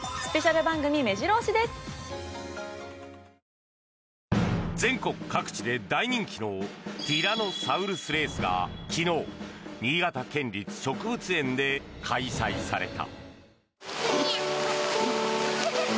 なぜティラノサウルスレースが全国各地で大人気のティラノサウルスレースが昨日、新潟県立植物園で開催された。